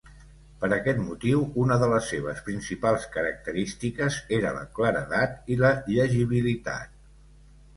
Per aquest motiu, una de les seves principals característiques era la claredat i la llegibilitat.